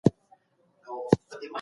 جلا کول د توپیر کولو مانا لري.